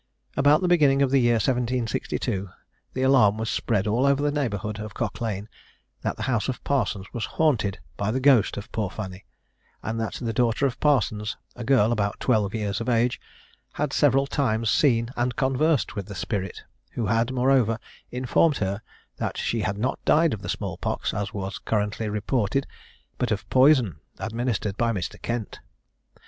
About the beginning of the year 1762, the alarm was spread over all the neighbourhood of Cock Lane, that the house of Parsons was haunted by the ghost of poor Fanny, and that the daughter of Parsons, a girl about twelve years of age, had several times seen and conversed with the spirit, who had, moreover, informed her, that she had not died of the small pox, as was currently reported, but of poison, administered by Mr. Kent.